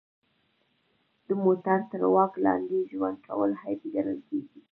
د مور تر واک لاندې ژوند کول عیب ګڼل کیږي